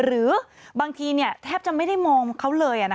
หรือบางทีแทบจะไม่ได้มองเขาเลย